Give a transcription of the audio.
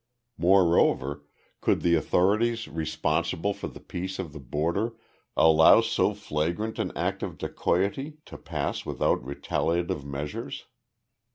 Moreover, could the authorities responsible for the peace of the border allow so flagrant an act of dacoity to pass without retaliative measures?